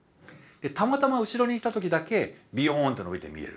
たまたま後ろにいた時だけビヨーンと伸びて見える。